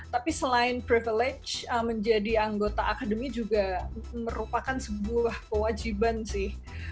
tapi selain privilege menjadi anggota akademi juga merupakan sebuah kewajiban sih